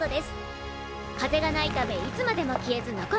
風がないためいつまでも消えず残っています。